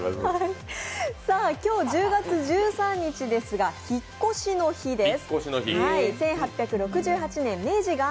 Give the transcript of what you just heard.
今日１０月１３日ですが、引っ越しの日です。